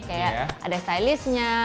kayak ada stylistenya